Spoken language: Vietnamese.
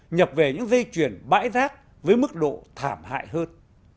nhập về những dây chuyền bãi rác với mức độ thảm hại hơn